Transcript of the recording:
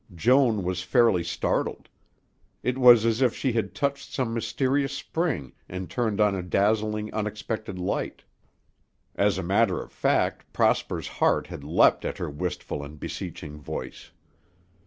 Joan was fairly startled. It was as if she had touched some mysterious spring and turned on a dazzling, unexpected light. As a matter of fact, Prosper's heart had leapt at her wistful and beseeching voice.